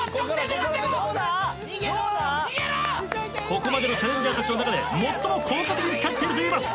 ここまでのチャレンジャーたちの中で最も効果的に使ってるといえます。